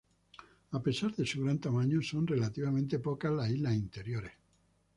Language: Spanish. A pesar de su gran tamaño, son relativamente pocas las islas interiores.